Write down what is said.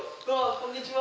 こんにちは